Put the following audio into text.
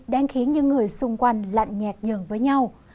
đang khiến những người xung quanh lạnh nhạt nhường với nhau